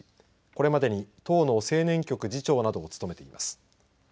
これまでに党の青年局次長などを務めています。